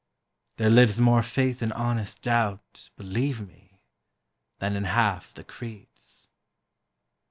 There lives more faith in honest doubt, Believe me, than in half the creeds.